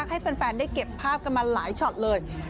ให้แฟนได้เก็บภาพกันมาหลายช็อตเลย